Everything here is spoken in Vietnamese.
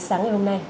sáng ngày hôm nay